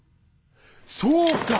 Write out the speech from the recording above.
そうか！